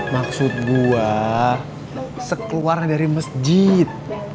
maksud gua sekeluar dari masjid